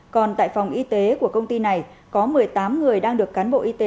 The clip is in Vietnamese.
còn tại phòng y tế của công ty này có một mươi tám người đang được cán bộ y tế